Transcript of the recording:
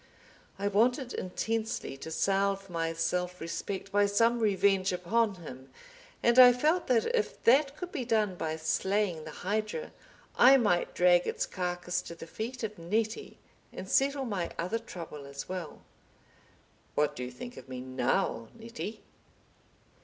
I wanted intensely to salve my self respect by some revenge upon him, and I felt that if that could be done by slaying the hydra, I might drag its carcass to the feet of Nettie, and settle my other trouble as well. "What do you think of me now, Nettie?"